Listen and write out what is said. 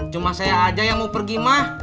cuma saya aja yang mau pergi mah